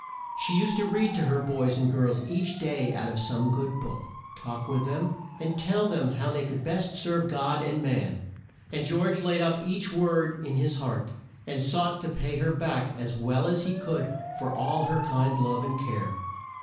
She used to read to her boys and girls each day out of some good book, talk with them, and tell them how they could best serve God and man, and George laid up each word in his heart, and sought to pay her back as well as he could for all her kind love and care.